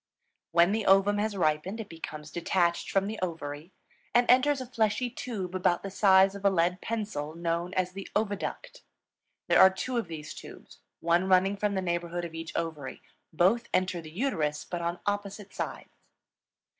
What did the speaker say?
When the ovum has ripened, it becomes detached from the ovary, and enters a fleshy tube about the size of a lead pencil, known as the oviduct. There are two of these tubes, one running from the neighborhood of each ovary; both enter the uterus, but on opposite sides.